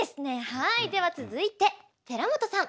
はいでは続いててらもとさん。